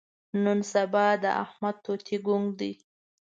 نن سبا د احمد توتي ګونګ دی.